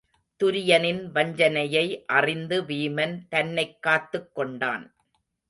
துரியனின் வஞ்சனையை அறிந்து வீமன் தன்னைக் காத்துக் கொண்டான்.